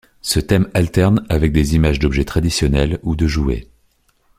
Ce thème alterne avec des images d'objets traditionnels ou de jouets.